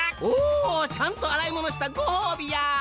おおちゃんとあらいものしたごほうびや！